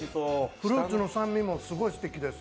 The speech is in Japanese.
フルーツの酸味もすごいすてきです。